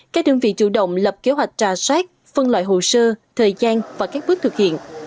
các đơn vị chủ động lập kế hoạch trà sát phân loại hồ sơ thời gian và các bước thực hiện